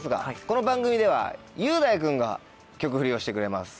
この番組では雄大君が曲フリをしてくれます。